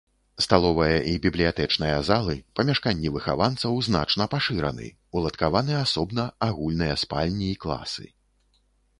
Сталовая і бібліятэчная залы, памяшканні выхаванцаў значна пашыраны, уладкаваны асобна агульныя спальні і класы.